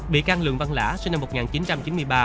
bị can lượng văn lã sinh năm một nghìn chín trăm chín mươi ba